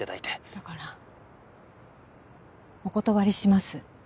だからお断りします。